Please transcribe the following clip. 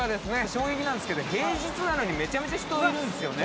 ◆衝撃なんですけど平日なのに、めちゃめちゃ人がいるんですね。